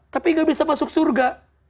tapi gak bisa masuk surga